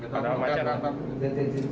padahal macet mantap